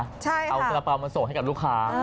เอากระเป๋ามาส่งให้กับลูกค้า